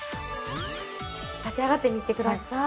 立ち上がってみてください。